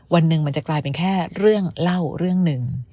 วันหนึ่งมันจะกลายเป็นแค่เรื่องเล่าเรื่องหนึ่ง